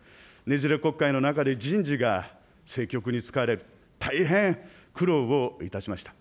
ねじれ国会の中で人事が政局に使われる、大変苦労をいたしました。